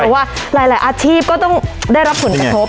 เพราะว่าหลายอาชีพก็ต้องได้รับผลกระทบ